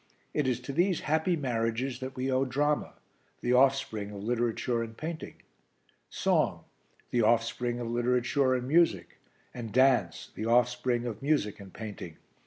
It is to these happy marriages that we owe drama the offspring of literature and painting; song the offspring of literature and music; and dance the offspring of music and painting.